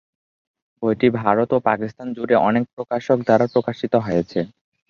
বইটি ভারত ও পাকিস্তান জুড়ে অনেক প্রকাশক দ্বারা প্রকাশিত হয়েছে।